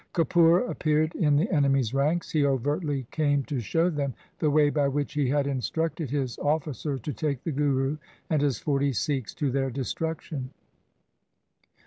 Kapura appeared in the enemies' ranks. He overtly came to show them the way by which he had instructed his officer to take the Guru and his forty Sikhs to their destruction.